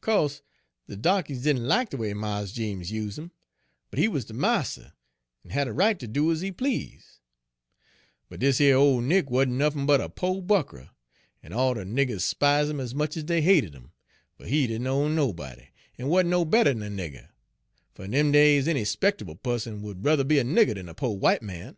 Co'se de darkies didn' lack de way Mars Jeems used 'em, but he wuz de marster, en had a right ter do ez he please'; but dis yer Ole Nick wa'n't nuffin but a po' buckrah, en all de niggers 'spised 'im ez much ez dey hated 'im, fer he didn' own nobody, en wa'n't no bettah 'n a nigger, fer in dem days any 'spectable pusson would ruther be a nigger dan a po' w'ite man.